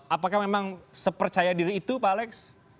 apakah memang sepercaya diri itu pak alex